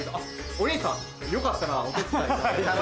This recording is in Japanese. お兄さんよかったらお手伝いを。